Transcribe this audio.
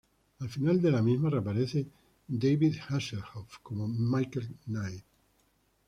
Al final de la misma reaparece David Hasselhoff como Michael Knight.